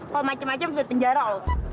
kalau macem macem selalu penjara ol